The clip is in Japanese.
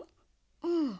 うん。